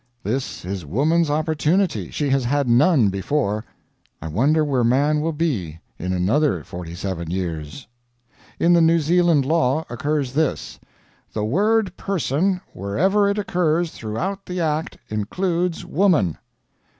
This is woman's opportunity she has had none before. I wonder where man will be in another forty seven years? In the New Zealand law occurs this: "The word person wherever it occurs throughout the Act includes woman."